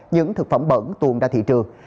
những thực phẩm bẩn tuồn ra thị trường